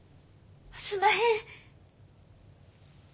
すんまへん。